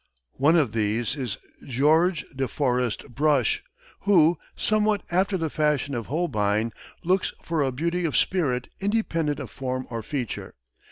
One of these is George de Forest Brush, who, somewhat after the fashion of Holbein, looks for a beauty of spirit independent of form or feature.